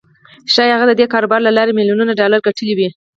ښايي هغه د دې کاروبار له لارې ميليونونه ډالر ګټلي وي.